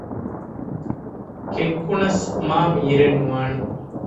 ކެއްކުނަސް މާމީރެއް ނުވާނެ